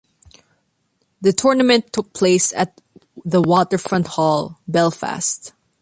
The tournament took place at the Waterfront Hall, Belfast.